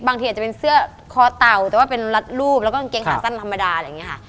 ทีอาจจะเป็นเสื้อคอเต่าแต่ว่าเป็นรัดรูปแล้วก็กางเกงขาสั้นธรรมดาอะไรอย่างนี้ค่ะ